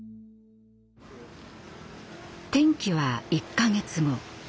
転機は１か月後。